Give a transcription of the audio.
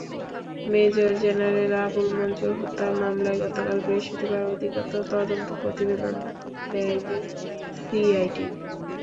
Major general Abul Manzur হত্যা মামলায় গতকাল বৃহস্পতিবার অধিকতর তদন্ত প্রতিবেদন দেয়নি সিআইডি।